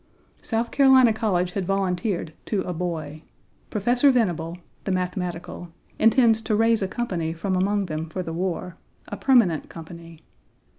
South Carolina College had volunteered to a boy. Professor Venable (the mathematical), intends to raise a company from among them for the war, a permanent company.